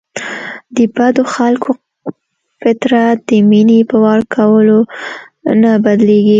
د بدو خلکو فطرت د مینې په ورکولو نه بدلیږي.